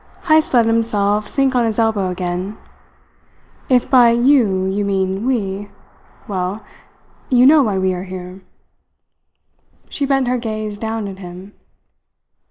Heyst let himself sink on his elbow again. "If by 'you' you mean 'we' well, you know why we are here." She bent her gaze down at him.